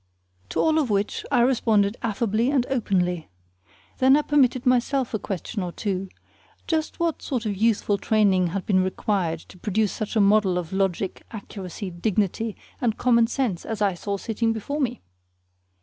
To all of which I responded affably and openly. Then I permitted myself a question or two: just what sort of youthful training had been required to produce such a model of logic, accuracy, dignity, and common sense as I saw sitting before me?